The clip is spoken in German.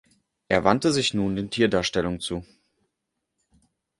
Er wandte sich nun den Tierdarstellungen zu.